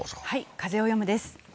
「風をよむ」です。